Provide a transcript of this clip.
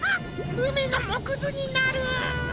うみのもくずになる！